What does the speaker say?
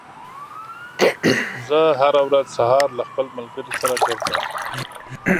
زه هره ورځ سهار له خپل ملګري سره ګرځم.